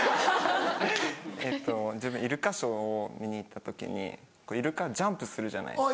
えっと自分イルカショーを見に行った時にイルカジャンプするじゃないですか。